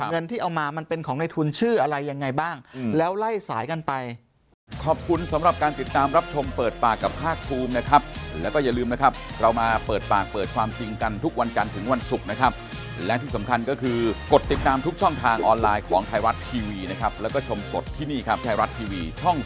เงินที่เอามามันเป็นของในทุนชื่ออะไรยังไงบ้างแล้วไล่สายกันไป